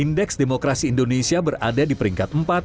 indeks demokrasi indonesia berada di peringkat empat